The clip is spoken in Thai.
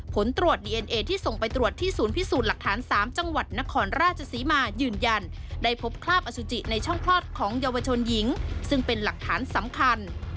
ผลตรวจดีเอ็นเอที่ส่งไปตรวจที่ศูนย์พิสูจน์หลักฐาน๓จังหวัดนครราชศรีมายืนยันได้พบคราบอสุจิในช่องคลอดของเยาวชนหญิงซึ่งเป็นหลักฐานสำคัญ